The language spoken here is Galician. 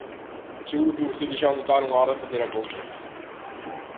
Seguro que vostedes xa o notaron á hora de facer a compra.